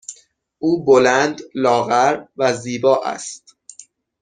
او بلند، لاغر و زیبا است.